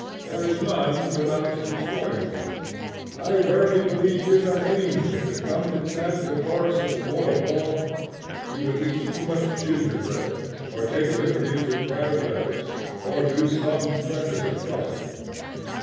There is none without his foible. I verily believe if an angel should come to chant the chorus of the moral law, he would eat too much gingerbread, or take liberties with private letters, or do some precious atrocity.